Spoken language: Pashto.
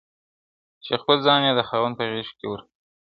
چي خپل ځان یې د خاوند په غېږ کي ورکړ،